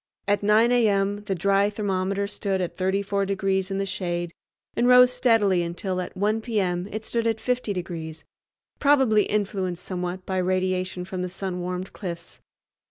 At 9 a.m. the dry thermometer stood at 34 degrees in the shade and rose steadily until at 1 p.m. it stood at 50 degrees, probably influenced somewhat by radiation from the sun warmed cliffs.